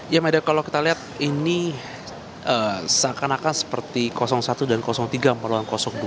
ya mada kalau kita lihat ini seakan akan seperti satu dan tiga empat dua